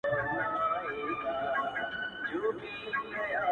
او ته خبر د کوم غریب د کور له حاله یې؛